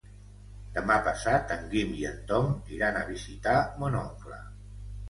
Demà passat en Guim i en Tom iran a visitar mon oncle.